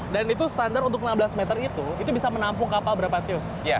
dan itu standar untuk enam belas meter itu itu bisa menampung kapal berapa teus